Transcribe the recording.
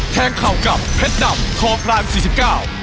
แทงเข่ากับเพชรดำทพลายมสี่สิบเก้า